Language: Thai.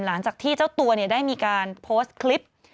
หลังจากที่เจ้าตัวได้มีการโพสต์คลิป